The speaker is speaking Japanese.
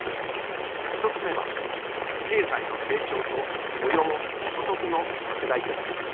１つ目は、経済の成長と雇用・所得の拡大です。